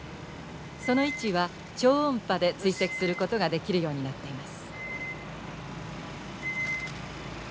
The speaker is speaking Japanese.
その位置は超音波で追跡することができるようになっています。